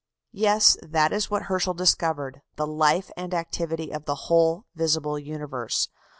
] Yes, that is what Herschel discovered the life and activity of the whole visible universe.